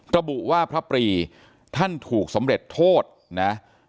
ระบุว่าพระปรีท่านถูกสำเร็จโทษนะ